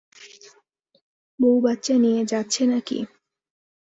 বউ বাচ্চা নিয়ে যাচ্ছে নাকি?